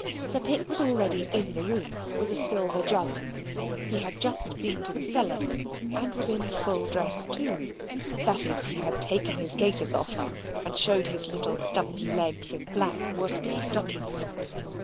Sir Pitt was already in the room with a silver jug. He had just been to the cellar, and was in full dress too; that is, he had taken his gaiters off, and showed his little dumpy legs in black worsted stockings.